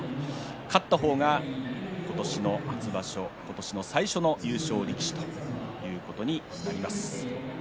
勝った方が今年の初場所今年の最初の優勝力士ということになります。